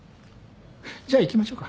じゃあ行きましょうか。